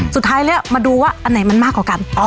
สุดท้ายแล้วมาดูว่าอันไหนมันมากกว่ากัน